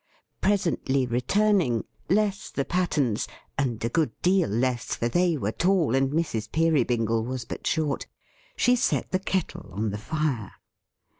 Presently returning, less the pattens: and a good deal less, for they were tall and Mrs. Peerybingle was but short: she set the Kettle on the fire.